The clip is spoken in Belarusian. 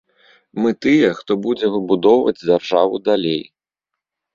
Мы тыя, хто будзе выбудоўваць дзяржаву далей.